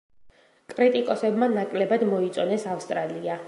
კრიტიკოსებმა ნაკლებად მოიწონეს „ავსტრალია“.